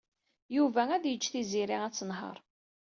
Yuba ad yeǧǧ Tiziri ad tenheṛ.